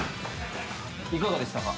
いかがでしたか？